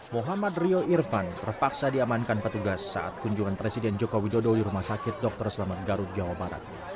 mohamad ryo irfan terpaksa diamankan petugas saat kunjungan presiden jokowi dudu di rumah sakit dr sulamet garut jawa barat